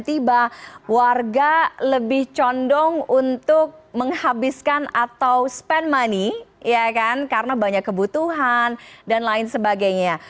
tiba warga lebih condong untuk menghabiskan atau spend money karena banyak kebutuhan dan lain sebagainya